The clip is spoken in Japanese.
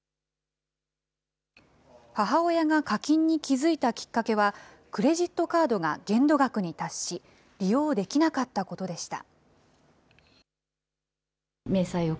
母親が課金に気付いたきっかけは、クレジットカードが限度額に達し、利用できなかったことでした。